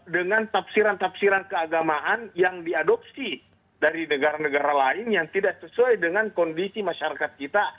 dengan tafsiran tafsiran keagamaan yang diadopsi dari negara negara lain yang tidak sesuai dengan kondisi masyarakat kita